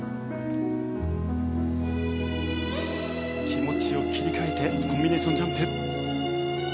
気持ちを切り替えてコンビネーションジャンプ。